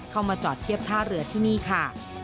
เข้ามาจอดเทียบท่าเรือที่นี่ค่ะ